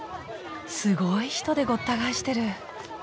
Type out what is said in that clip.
すごい人でごった返してる。